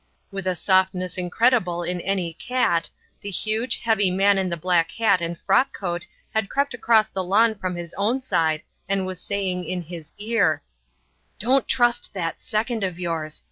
With a softness incredible in any cat, the huge, heavy man in the black hat and frock coat had crept across the lawn from his own side and was saying in his ear: "Don't trust that second of yours.